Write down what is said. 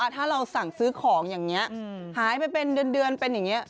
ถ้าเราสั่งซื้อของอย่างนี้หายไปเป็นเดือนเป็นอย่างนี้